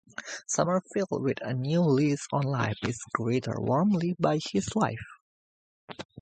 Summerfield, with a new lease on life, is greeted warmly by his wife.